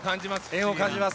縁を感じます。